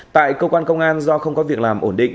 tại cơ quan công an do không có việc làm ổn định